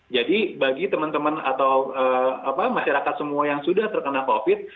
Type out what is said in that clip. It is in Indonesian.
jadi bagi teman teman atau masyarakat semua yang sudah terkena covid